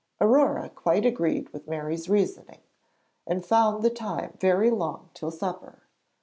Aurore quite agreed with Mary's reasoning, and found the time very long till supper.